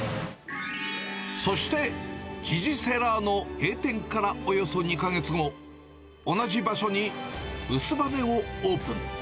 そしてジジセラーノ閉店からおよそ２か月後、同じ場所にウスバネをオープン。